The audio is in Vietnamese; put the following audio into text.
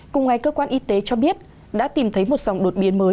cùng ngày cơ quan y tế cho biết đã tìm thấy một dòng đột biến mới